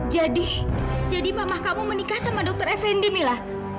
jadi jadi mama kamu menikah sama dokter effendi mila